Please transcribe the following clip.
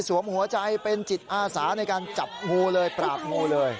หัวใจเป็นจิตอาสาในการจับงูเลยปราบงูเลย